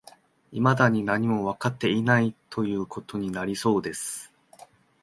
未だに何もわかっていない、という事になりそうです